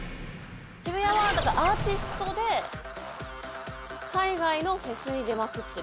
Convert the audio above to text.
渋谷はアーティストで海外のフェスに出まくっている。